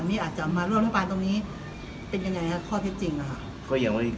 พรรคเศรษฐกิจใหม่มาร่วมราวป้าตรงนี้เป็นยังไงคะ